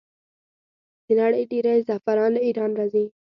د نړۍ ډیری زعفران له ایران راځي.